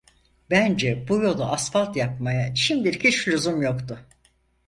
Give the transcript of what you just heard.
Bence bu yolu asfalt yapmaya şimdilik hiç lüzum yoktu.